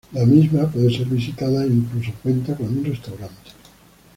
La misma puede ser visitada e incluso cuenta con un restaurante.